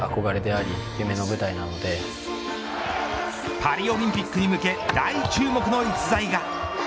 パリオリンピックに向け大注目の逸材が。